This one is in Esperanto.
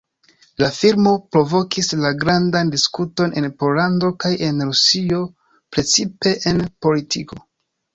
La filmo provokis la grandan diskuton en Pollando kaj en Rusio precipe en politiko.